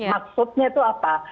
maksudnya itu apa